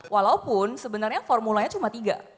walaupun sebenarnya formulanya cuma tiga